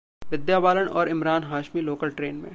विद्या बालन और Imran Hashmi local train में